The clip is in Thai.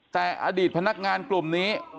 แต่อดีตพนักงานกลุ่มนี้